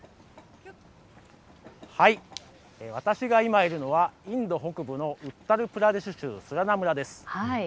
私が今いるのはインド北部のウッタルプラデシュ州のスラナ村です。